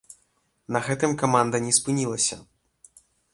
На гэтым каманда не спынілася.